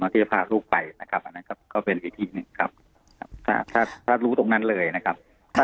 ที่จะพาลูกไปอันนั้นก็เป็นวิธี๑ครับถ้ารู้ตรงนั้นเลยนะครับ